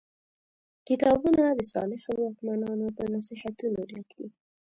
کتابونه د صالحو واکمنانو په نصیحتونو ډک دي.